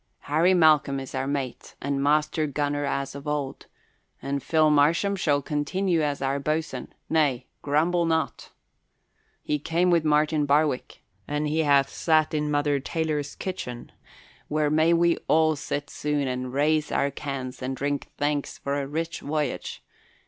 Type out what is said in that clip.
Harry Malcolm is our mate and master gunner as of old, and Phil Marsham shall continue as our boatswain nay, grumble not! He came with Martin Barwick and he hath sat in Mother Taylor's kitchen, where may we all sit soon and raise our cans and drink thanks for a rich voyage.